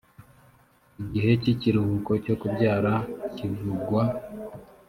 igihe cy ikiruhuko cyo kubyara kivugwa